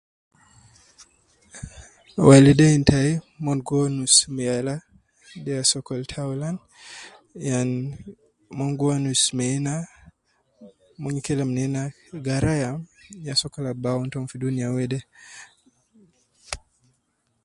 Waleidein tai ,mon gi wonus me yala ,de ya sokol taulan ,yan mon gi wonus me na, mon gi kelem nena ya sokol ab bi awun tom fi dunia wede